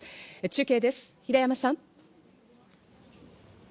中継です、平山さん。